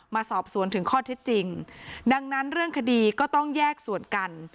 มาสอบสวนถึงข้อเท็จจริงดังนั้นเรื่องคดีก็ต้องแยกส่วนกัน